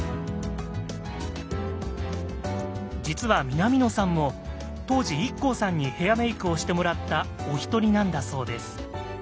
実は南野さんも当時ＩＫＫＯさんにヘアメイクをしてもらったお一人なんだそうです。